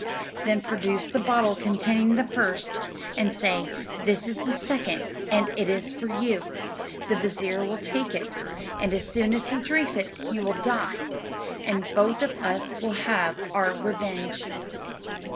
Then produce the bottle containing the first, and say, 'This is the second, and it is for you.' The vizir will take it, and as soon as he drinks it he will die, and both of us will have our revenge."